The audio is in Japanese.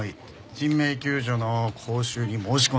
人命救助の講習に申し込んだんです。